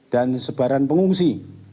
dan sebaran pengungsi